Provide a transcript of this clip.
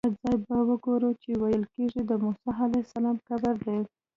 هغه ځای به وګورو چې ویل کېږي د موسی علیه السلام قبر دی.